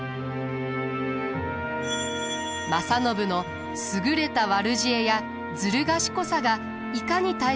正信の優れた悪知恵やずる賢さがいかに大切か